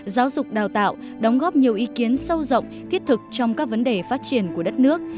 giáo dục đào tạo đóng góp nhiều ý kiến sâu rộng thiết thực trong các vấn đề phát triển của đất nước